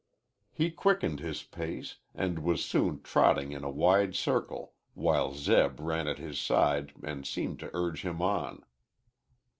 He quickened his pace, and was soon trotting in a wide circle while Zeb ran at his side and seemed to urge him on.